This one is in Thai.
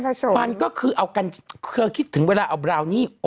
กันชาอยู่ในนี้